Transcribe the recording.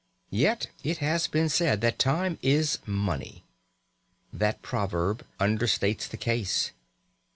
Yet it has been said that time is money. That proverb understates the case.